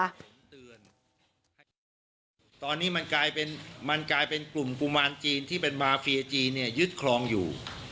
ตอนนี้มันกลายเป็นมันกลายเป็นกลุ่มกุมารจีนที่เป็นมาเฟียจีนเนี่ยยึดคลองอยู่